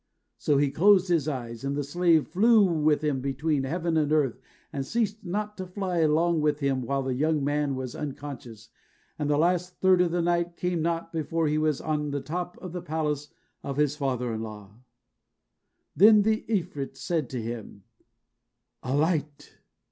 So he closed his eyes, and the slave flew with him between heaven and earth, and ceased not to fly along with him while the young man was unconscious, and the last third of the night came not before he was on the top of the palace of his father in law. Then the 'Efreet said to him, "Alight."